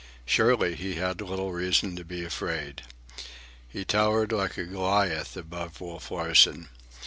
Surely he had little reason to be afraid. He towered like a Goliath above Wolf Larsen.